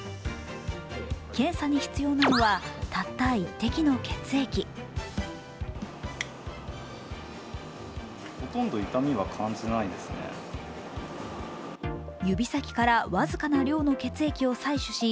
検査に必要なのはたった１滴の血液指先から僅かな量の血液を採取し、